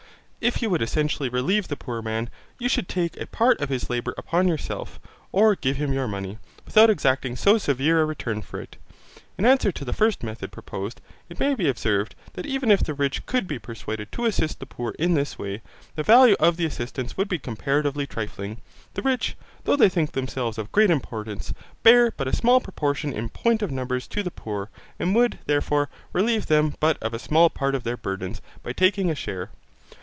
If you would essentially relieve the poor man, you should take a part of his labour upon yourself, or give him your money, without exacting so severe a return for it. In answer to the first method proposed, it may be observed, that even if the rich could be persuaded to assist the poor in this way, the value of the assistance would be comparatively trifling. The rich, though they think themselves of great importance, bear but a small proportion in point of numbers to the poor, and would, therefore, relieve them but of a small part of their burdens by taking a share.